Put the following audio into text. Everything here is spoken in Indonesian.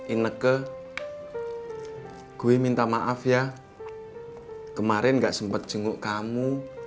inek ke gue minta maaf ya kemarin enggak sempet jenguk kamu